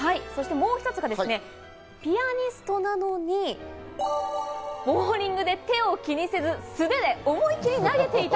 もう一つがピアニストなのにボウリングで手を気にせず、素手で思いっきり投げていた。